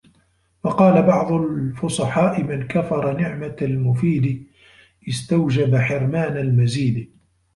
وَقَالَ بَعْضُ الْفُصَحَاءِ مَنْ كَفَرَ نِعْمَةَ الْمُفِيدِ اسْتَوْجَبَ حِرْمَانَ الْمَزِيدِ